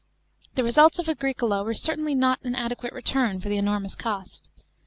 The results of Agricola were certainly not an adequate return for the enormous cost.